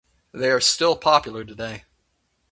They are still popular today.